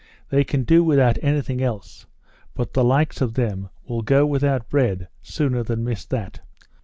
They can do without anything else. But the likes of them will go without bread sooner than miss that!